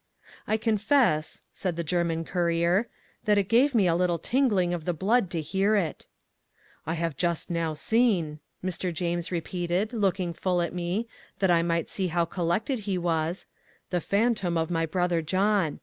I confess (said the German courier) that it gave me a little tingling of the blood to hear it. 'I have just now seen,' Mr. James repeated, looking full at me, that I might see how collected he was, 'the phantom of my brother John.